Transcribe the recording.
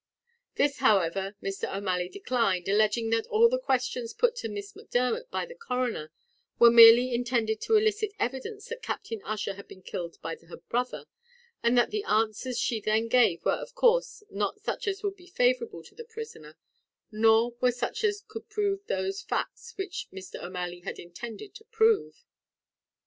This, however, Mr. O'Malley declined, alleging that the questions put to Miss Macdermot by the coroner, were merely intended to elicit evidence that Captain Ussher had been killed by her brother, and that the answers she then gave were of course not such as would be favourable to the prisoner; nor were such as could prove those facts which Mr. O'Malley had intended to prove.